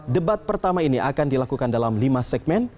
debat pertama ini akan dilakukan dalam lima segmen